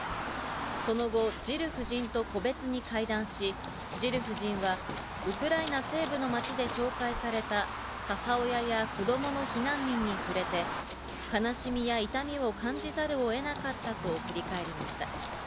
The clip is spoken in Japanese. その後、ジル夫人と個別に会談し、ジル夫人はウクライナ西部の街で紹介された母親や子供の避難民に触れて、悲しみや痛みを感じざるを得なかったと振り返りました。